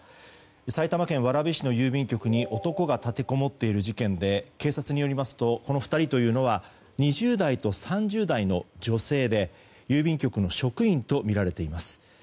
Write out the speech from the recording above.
埼玉県蕨市の郵便局に男が立てこもっている事件で警察によりますとこの２人というのは２０代と３０代の女性で郵便局の職員とみられています。